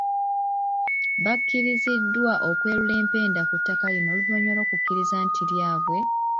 Bakiriziddwa okwerula empenda ku ttaka lino oluvannyuma lw'okukizuula nti lyabwe